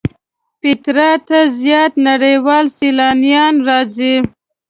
پېټرا ته زیات نړیوال سیلانیان راځي.